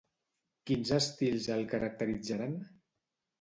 Quins estils el caracteritzaran?